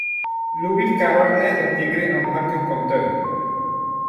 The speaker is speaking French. Lewill Caroll est intégré en tant que conteur.